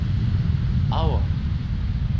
Aua!